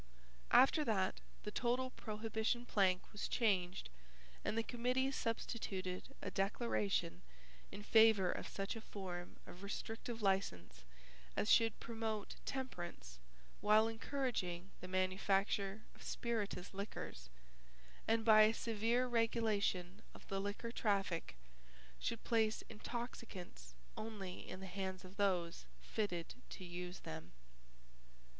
After that the total prohibition plank was changed and the committee substituted a declaration in favour of such a form of restrictive license as should promote temperance while encouraging the manufacture of spirituous liquors, and by a severe regulation of the liquor traffic should place intoxicants only in the hands of those fitted to use them.